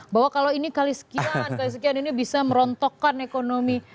bahwa kalau ini kali sekian kali sekian ini bisa merontokkan ekonomi